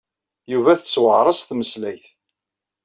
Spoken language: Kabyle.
Yuba tettuɛer-as tmeslayt.